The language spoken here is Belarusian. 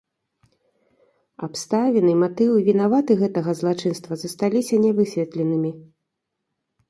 Абставіны, матыў і вінаваты гэтага злачынства засталіся нявысветленымі.